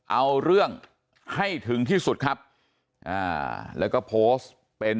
เอาเรื่องให้ถึงที่สุดครับอ่าแล้วก็โพสต์เป็น